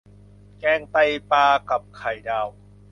แกงไตปลากับไข่ดาว